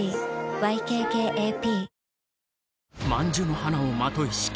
ＹＫＫＡＰ